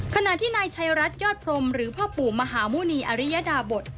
ขณะที่นายชัยรัฐยอดพรมหรือพ่อปู่มหาหมุณีอริยดาบท